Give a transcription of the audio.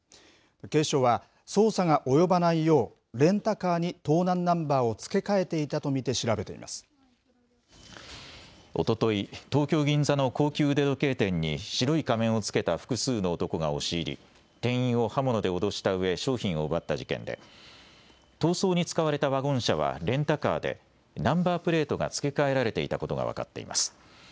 警視庁は、捜査が及ばないよう、レンタカーに盗難ナンバーを付けおととい、東京・銀座の高級腕時計店に、白い仮面をつけた複数の男が押し入り、店員を刃物で脅したうえ、商品を奪った事件で、逃走に使われたワゴン車はレンタカーで、ナンバープレートが付け替えられていたことが分かっています。